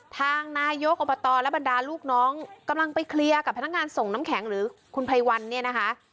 ทางนายกอบตและบรรดาลูกน้องกำลังไปเคลียร์กับพนักงานส่งน้ำแข็งหรือคุณไพรวันเนี่ยนะคะ